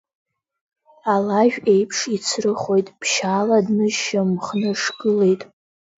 Алажә еиԥш ицрыхоит, ԥшьаала днышьамхнышгылеит.